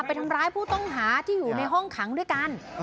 ไปทำร้ายผู้ต้องหาที่อยู่ในห้องขังด้วยกัน